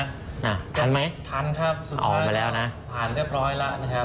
ทันไหมอ๋อมาแล้วนะทันครับสุดท้ายทางผ่านเรียบร้อยแล้วนะครับ